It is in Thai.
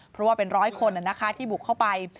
เพราะว่าเป็นร้อยคนที่บุกเข้าไป